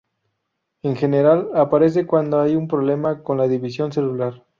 En general, aparecen cuando hay un problema con la división celular.